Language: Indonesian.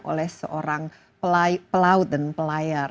oleh seorang pelaut dan pelayar